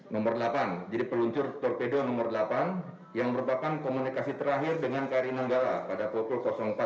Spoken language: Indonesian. nomor delapan jadi peluncur torpedo nomor delapan yang merupakan komunikasi terakhir dengan kri nanggala pada pukul empat